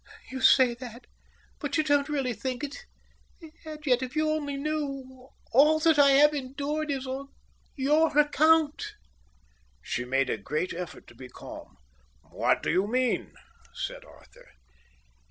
"You say that, but you don't really think it. And yet if you only knew, all that I have endured is on your account." She made a great effort to be calm. "What do you mean?" said Arthur.